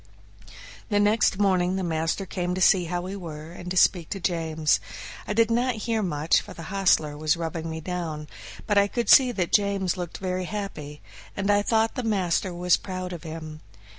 The next morning the master came to see how we were and to speak to James. I did not hear much, for the hostler was rubbing me down, but I could see that James looked very happy, and I thought the master was proud of him.